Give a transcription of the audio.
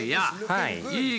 はい。